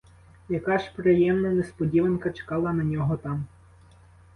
Яка ж приємна несподіванка чекала на нього там!